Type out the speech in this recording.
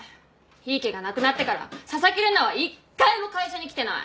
檜池が亡くなってから紗崎玲奈は１回も会社に来てない。